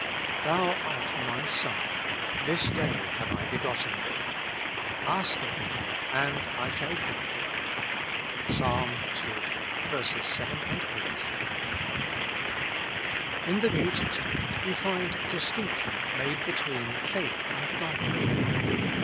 Thou art my Son; this day have I begotten Thee. Ask ofme^ and I shall give Thee. — Ps. ii. 7, 8. IN the New Testament we find a distinction made between faith and knowledge.